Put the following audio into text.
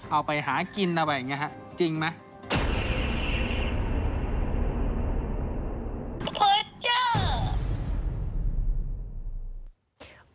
เอาไปหากินอะไรอย่างนี้ฮะจริงไหม